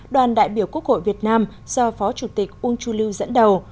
đoàn đại biểu quốc hội việt nam do phó chủ tịch uung chuliu dẫn đầu